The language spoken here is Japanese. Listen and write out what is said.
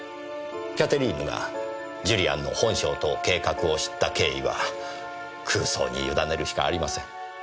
キャテリーヌがジュリアンの本性と計画を知った経緯は空想に委ねるしかありません。